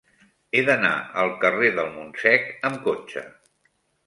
He d'anar al carrer del Montsec amb cotxe.